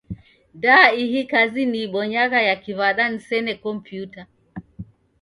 Da ihi kazi niibonyagha ya kiw'ada nisene kompiuta?